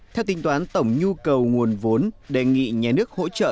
theo tính toán tổng nhu cầu nguồn vốn đề nghị nhà nước hỗ trợ